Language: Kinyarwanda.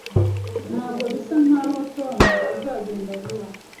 Ntabwo bisa nkaho Tom azagenda vuba